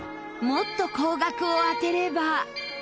もっと高額を当てれば。